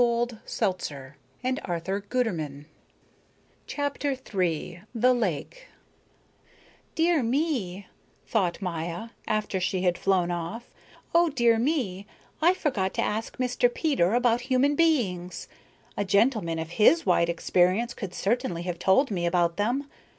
CHAPTER III THE LAKE "Dear me," thought Maya, after she had flown off, "oh, dear me, I forgot to ask Mr. Peter about human beings. A gentleman of his wide experience could certainly have told me about them.